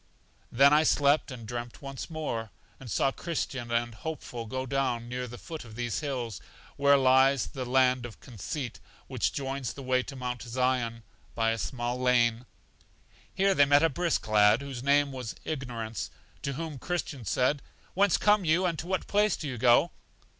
Then I slept, and dreamt once more, and saw Christian and Hopeful go down near the foot of these hills, where lies the land of Conceit, which joins the way to Mount Zion, by a small lane. Here they met a brisk lad, whose name was Ignorance, to whom Christian said: Whence come you, and to what place do you go?